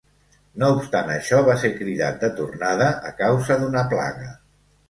No obstant això, va ser cridat de tornada a causa d'una plaga.